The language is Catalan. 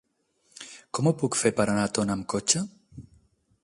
Com ho puc fer per anar a Tona amb cotxe?